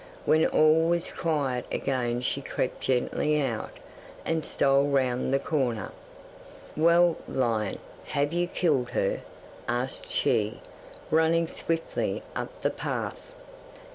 When all was quiet again she crept gently out, and stole round the corner. '"Well, lion, have you killed her?" asked she, running swiftly up the path.